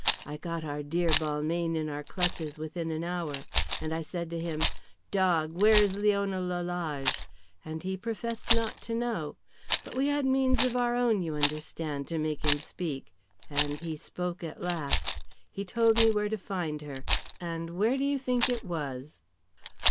I got our dear Balmayne in our clutches within an hour. And I said to him, 'Dog, where is Leona Lalage?' And he professed not to know. But we had means of our own, you understand, to make him speak. And he spoke at last. He told me where to find her. And where do you think it was?"